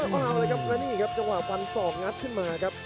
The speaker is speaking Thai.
แล้วนี่ครับจังหวะฟันสอกงัดขึ้นมาครับ